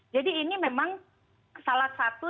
jadi ini memang salah satu